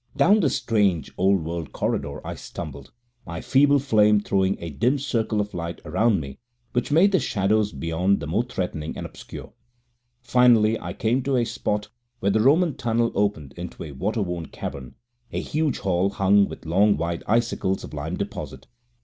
Down this strange, old world corridor I stumbled, my feeble flame throwing a dim circle of light around me, which made the shadows beyond the more threatening and obscure. Finally, I came to a spot where the Roman tunnel opened into a water worn cavern a huge hall, hung with long white icicles of lime deposit.